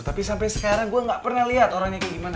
tapi sampai sekarang gue gak pernah lihat orangnya kayak gimana